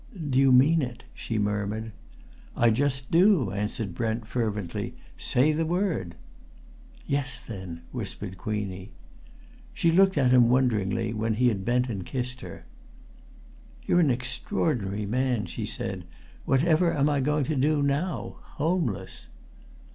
"Do you mean it?" she murmured. "I just do!" answered Brent fervently. "Say the word!" "Yes, then!" whispered Queenie. She looked at him wonderingly when he had bent and kissed her. "You're an extraordinary man!" she said. "Whatever am I going to do now? Homeless!"